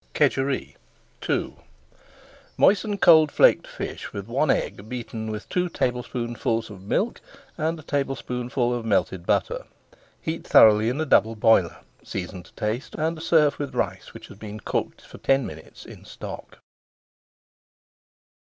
KEDJEREE II Moisten cold flaked fish with one egg beaten with two tablespoonfuls of milk and a tablespoonful of melted butter. Heat thoroughly in a double boiler, season to taste, and serve with rice which has been cooked for ten minutes in stock.